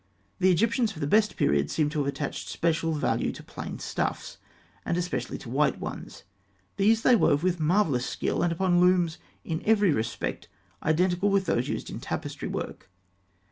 The Egyptians of the best periods seem to have attached special value to plain stuffs, and especially to white ones. These they wove with marvellous skill, and upon looms in every respect identical with those used in tapestry work.